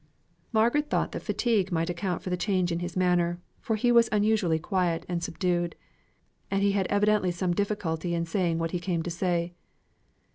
Margaret thought that fatigue might account for the change in his manner, for he was unusually quiet and subdued; and he had evidently some difficulty in saying what he came to say.